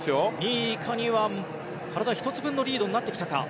２位以下には体１つ分のリードになってきたか。